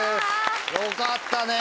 よかったね。